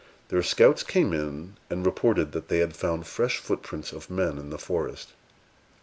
Their scouts came in, and reported that they had found fresh footprints of men in the forest.